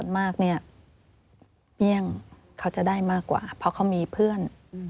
มากเนี่ยเปรี้ยงเขาจะได้มากกว่าเพราะเขามีเพื่อน